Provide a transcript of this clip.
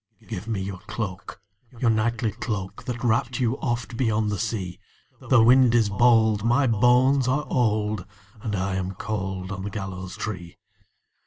"Give me your cloak, your knightly cloak, That wrapped you oft beyond the sea; The wind is bold, my bones are old, And I am cold on the gallows tree."